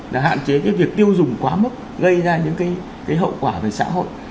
là hạn chế cái việc tiêu dùng quá mức gây ra những cái hậu quả về xã hội